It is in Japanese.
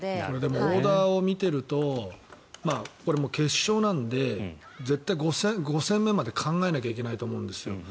オーダーを見ていると決勝なので、絶対に５戦目まで考えなきゃいけないと思うんですよ。